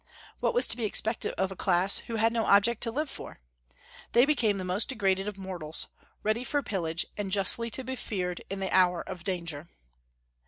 What was to be expected of a class who had no object to live for? They became the most degraded of mortals, ready for pillage, and justly to be feared in the hour of danger.